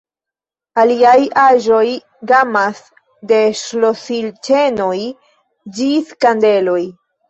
Aliaj aĵoj gamas de ŝlosilĉenoj ĝis kandeloj.